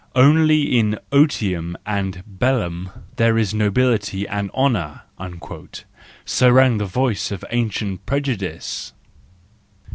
Only in otium and bellum is there nobility and honour:" so rang the voice of ancient pre¬ judice